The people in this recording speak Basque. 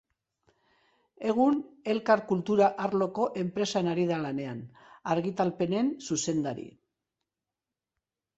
Egun Elkar kultura arloko enpresan ari da lanean, argitalpenen zuzendari.